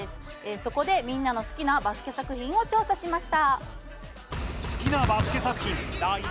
そこでみんなの好きなバスケ作品を調査しました。